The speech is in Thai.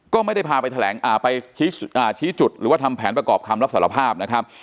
ก็ไม่ได้พาไปแถลงไปชี้จุดหรือว่าทำแผนประกอบคำรับสารภาพนะครับ